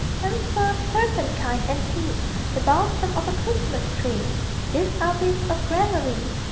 Camphor, turpentine, and tea, The balsam of a Christmas tree, These are whiffs of gramarye